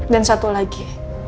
dan satu lagi